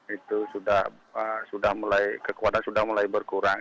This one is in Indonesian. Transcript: itu sudah mulai kekuatan sudah mulai berkurang